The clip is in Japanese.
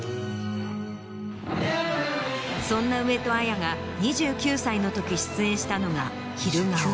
そんな上戸彩が２９歳のとき出演したのが。